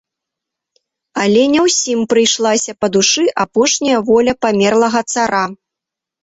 Але не ўсім прыйшлася па душы апошняя воля памерлага цара.